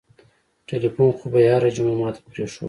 ټېلفون خو به يې هره جمعه ما ته پرېښووه.